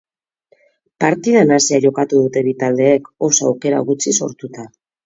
Partida nahasia jokatu dute bi taldeek, oso aukera gutxi sortuta.